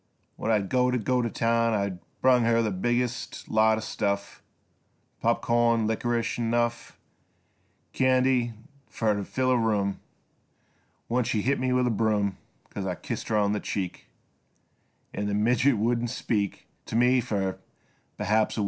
When I'd go t' town I brung Her the biggest lot o' stuff, Pop corn, likrish, 'n' enough Candy fer t' fill a room. Once she hit me with a broom Cuz I kissed her on the cheek. An' the midget wouldn't speak T' me fer, perhaps, a week.